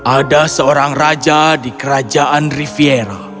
ada seorang raja di kerajaan riviera